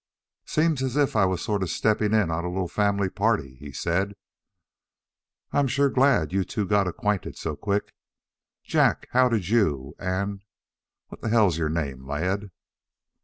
"Seems as if I was sort of steppin' in on a little family party," he said. "I'm sure glad you two got acquainted so quick. Jack, how did you and What the hell's your name, lad?"